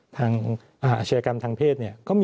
ทางเชียรกรรมทางเพศ